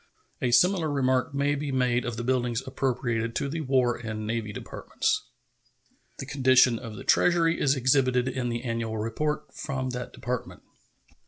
A similar remark may be made of the buildings appropriated to the War and Navy Departments. The condition of the Treasury is exhibited in the annual report from that Department.